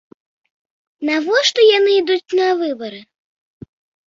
Навошта яны ідуць на выбары?